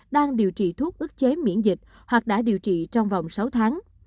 đang điều trị thuốc ức chế miễn dịch hoặc đã điều trị trong vòng sáu tháng